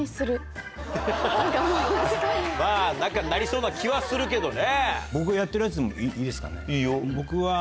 まぁ何かなりそうな気はするけどね。